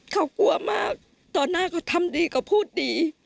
เขากลัวมากตอนหน้าเขาทำดีก็พูดดี